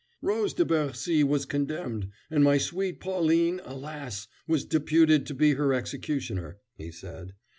"Rose de Bercy was condemned, and my sweet Pauline, alas! was deputed to be her executioner," he said.